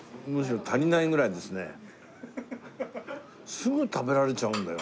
すぐ食べられちゃうんだよ。